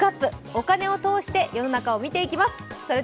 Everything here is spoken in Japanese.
お金を通して世の中を見ていきます。